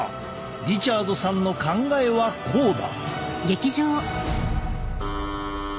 リチャードさんの考えはこうだ。